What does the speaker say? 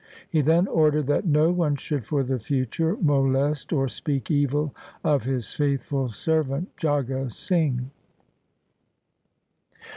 He then ordered that no one should for the future molest or speak evil of his faithful servant Jagga Singh.